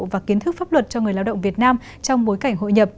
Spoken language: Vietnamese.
và kiến thức pháp luật cho người lao động việt nam trong bối cảnh hội nhập